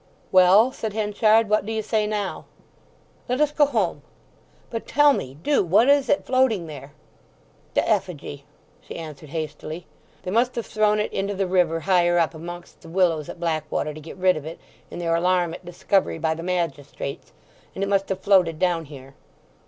"Well," said Henchard; "what do you say now?" "Let us go home." "But tell me—do—what is it floating there?" "The effigy," she answered hastily. "They must have thrown it into the river higher up amongst the willows at Blackwater, to get rid of it in their alarm at discovery by the magistrates, and it must have floated down here."